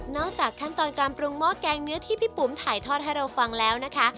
จากขั้นตอนการปรุงหม้อแกงเนื้อที่พี่ปุ๋มถ่ายทอดให้เราฟังแล้วนะคะ